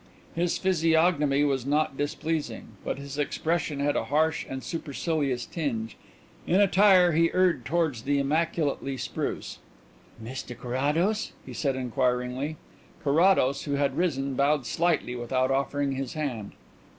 His physiognomy was not displeasing, but his expression had a harsh and supercilious tinge. In attire he erred towards the immaculately spruce. "Mr Carrados?" he said inquiringly. Carrados, who had risen, bowed slightly without offering his hand.